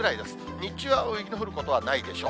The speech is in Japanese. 日中は雪、降ることはないでしょう。